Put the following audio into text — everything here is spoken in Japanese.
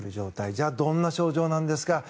じゃあ、どんな症状なんですか。